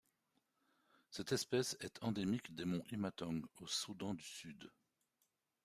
Cette espèce est endémique des monts Imatong au Soudan du Sud.